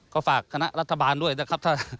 ก็ฝากคณะรัฐบาลด้วยนะครับ